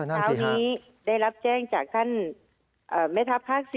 เช้านี้ได้รับแจ้งจากท่านแม่ทัพภาค๔